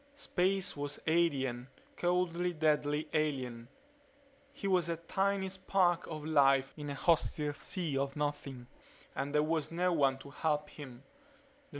Space was alien; coldly, deadly, alien. He was a tiny spark of life in a hostile sea of Nothing and there was no one to help him.